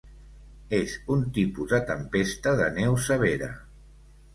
És un tipus de tempesta de neu severa.